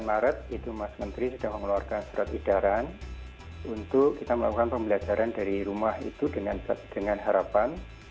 dua puluh maret itu mas menteri sudah mengeluarkan surat edaran untuk kita melakukan pembelajaran dari rumah itu dengan harapan